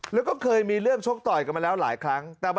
แล้วก็เคยมีเรื่องชกต่อยกันมาแล้วหลายครั้ง